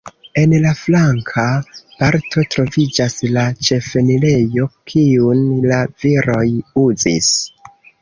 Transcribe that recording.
En la flanka parto troviĝas la ĉefenirejo, kiun la viroj uzis.